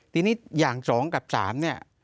ทีนี้อย่าง๒กับ๓เนี่ย